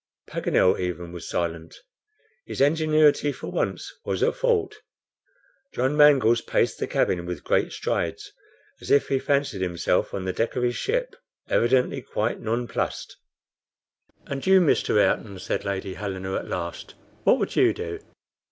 Paganel even was silent. His ingenuity for once was at fault. John Mangles paced the cabin with great strides, as if he fancied himself on the deck of his ship, evidently quite nonplussed. "And you, Mr. Ayrton," said Lady Helena at last, "what would you do?"